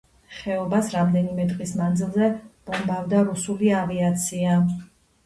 ხეობას რამდენიმე დღის მანძილზე ბომბავდა რუსული ავიაცია.